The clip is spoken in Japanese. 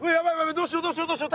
どうしようどうしようどうしよう！